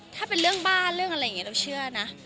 ถ้าเป็นเรื่องบ้านเรื่องอะไรอย่างนี้เราเชื่อนะ